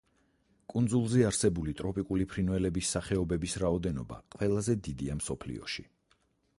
კუნძულზე არსებული ტროპიკული ფრინველების სახეობების რაოდენობა ყველაზე დიდია მსოფლიოში.